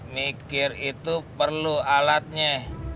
pikir itu perlu alatnya